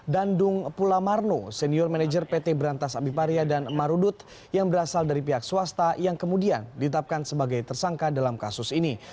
dan dung pula marno senior manager pt berantas abipraya dan marudut yang berasal dari pihak swasta yang kemudian ditapkan sebagai tersangka dalam kasus ini